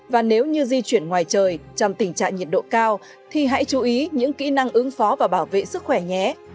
và nếu như di chuyển ngoài trời trong tình trạng nhiệt độ cao thì hãy chú ý những kỹ năng ứng phó và bảo vệ sức khỏe nhé